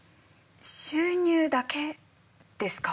収入だけですか。